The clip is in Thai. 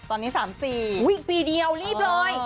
ตอนนี้๓๔อุ้ยปีเดียวรีบเลย